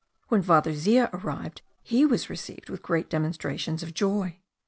When Father Zea arrived, he was received with great demonstrations of joy.